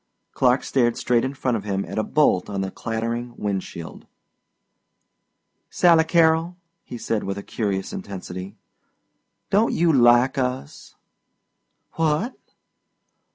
Clark stared straight in front of him at a bolt on the clattering wind shield. "Sally Carrol," he said with a curious intensity, "don't you 'like us?" "What?"